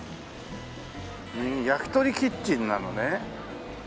焼鳥キッチンなのね。